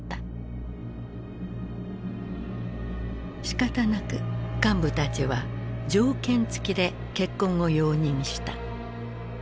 しかたなく幹部たちは条件付きで結婚を容認した。